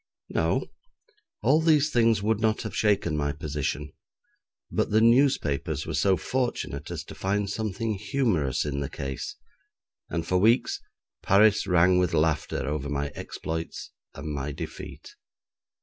No. All these things would not have shaken my position, but the newspapers were so fortunate as to find something humorous in the case, and for weeks Paris rang with laughter over my exploits and my defeat.